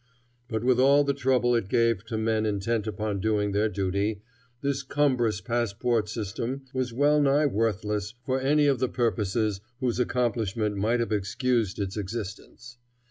But with all the trouble it gave to men intent upon doing their duty, this cumbrous passport system was well nigh worthless for any of the purposes whose accomplishment might have excused its existence.